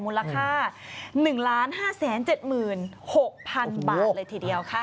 มูลค่า๑๕๗๖๐๐๐บาทเลยทีเดียวค่ะ